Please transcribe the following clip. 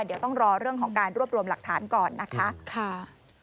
เดี๋ยวต้องรอเรื่องของการรวบรวมหลักฐานก่อนนะคะ